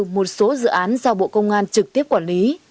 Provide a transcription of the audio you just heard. một số dự án do bộ công an trực tiếp quản lý